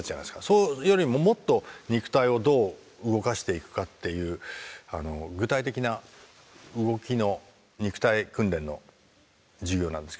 それよりももっと肉体をどう動かしていくかっていう具体的な動きの肉体訓練の授業なんですけど。